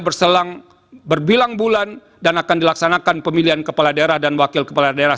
berselang berbilang bulan dan akan dilaksanakan pemilihan kepala daerah dan wakil kepala daerah